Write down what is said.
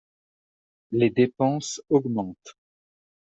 Les dépenses augmentent